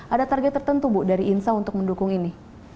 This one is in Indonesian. ada target tertentu bu dari insa untuk mendukung ini